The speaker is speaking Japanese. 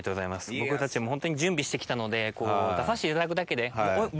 僕たちもホントに準備して来たので出さしていただくだけで。